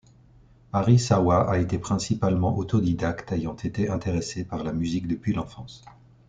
Arisawa a été principalement autodidacte, ayant été intéressé par la musique depuis l'enfance.